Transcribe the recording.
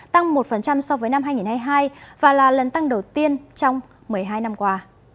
tăng một so với năm hai nghìn hai mươi hai và là lần tăng đầu tiên trong một mươi hai năm qua